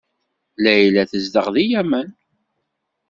Layla tezdeɣ deg Yamen.